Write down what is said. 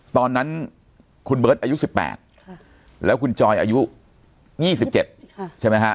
ตอนนั้นคุณเบิร์ตอายุ๑๘แล้วคุณจอยอายุ๒๗ใช่ไหมฮะ